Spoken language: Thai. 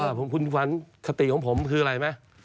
อย่าไปกลัวคุณฝันคติของผมคืออะไรไหม